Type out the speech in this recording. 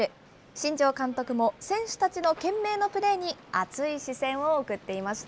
新庄監督も、選手たちの懸命のプレーに熱い視線を送っていました。